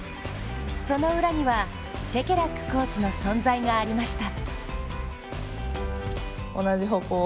その裏には、シェケラックコーチの存在がありました。